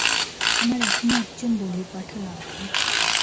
আমার এখনো একজন বলির পাঠা লাগবে।